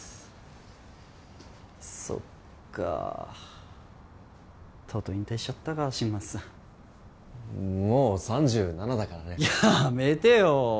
そっかとうとう引退しちゃったか新町さんもう３７だからねやめてよ